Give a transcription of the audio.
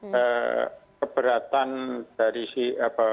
keberatan dari si apa